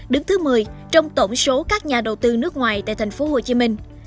đứng thứ một mươi trong tổng số các nhà đầu tư nước ngoài tại thành phố hồ chí minh